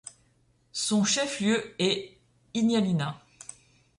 Son chef-lieu est Ignalina.